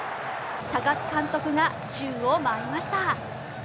高津監督が宙を舞いました。